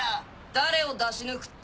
誰を出し抜くって？